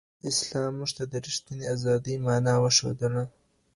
اسلام موږ ته د رښتیني ازادۍ مانا وښودله.